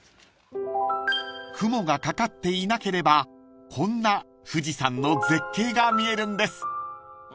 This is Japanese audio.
［雲がかかっていなければこんな富士山の絶景が見えるんです］